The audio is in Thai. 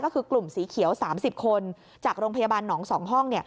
ก็คือกลุ่มสีเขียว๓๐คนจากโรงพยาบาลหนอง๒ห้อง